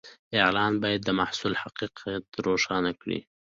اعلان باید د محصول حقیقت روښانه کړي.